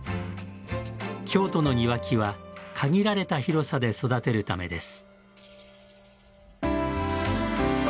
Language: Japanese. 京都の庭木は限られた広さで育てるためです。